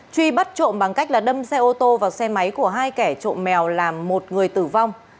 truy bắt trộm bằng cách đâm xe ô tô vào xe máy của hai kẻ trộm mèo làm một người tử vong